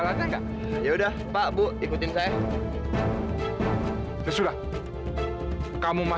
sampai jumpa di video selanjutnya